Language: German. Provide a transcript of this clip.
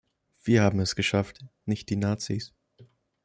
Wir haben es geschafft, nicht die Nazis.